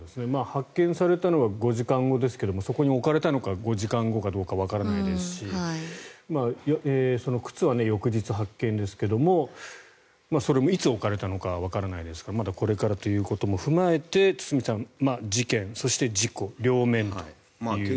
発見されたのは５時間後ですがそこに置かれたのが５時間後かどうかわからないわけですし靴は翌日発見ですけどもそれもいつ置かれたのかわからないですからまだこれからということも踏まえて堤さん、事件、そして事故両面ということですね。